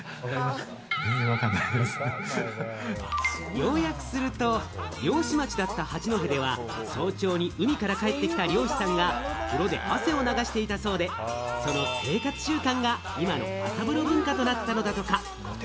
要約すると漁師町だった八戸では早朝に海から帰ってきた漁師さんが風呂で汗を流していたそうで、その生活習慣が今の朝風呂文化になったのだとか。